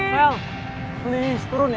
ra ra please turun ya